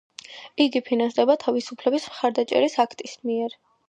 იგი ფინანსდება თავისუფლების მხარდაჭერის აქტის მიერ.